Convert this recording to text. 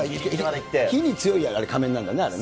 火に強い仮面なんだね。